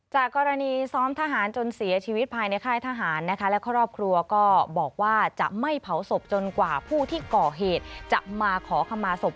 จากกรณีซ้อมทหารจนเสียชีวิตภายในค่ายทหารนะคะและครอบครัวก็บอกว่าจะไม่เผาศพจนกว่าผู้ที่ก่อเหตุจะมาขอขมาศพ